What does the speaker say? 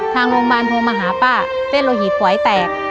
ทางโรงพยาบาลโทรมาหาป้าเส้นโลหิตฝอยแตก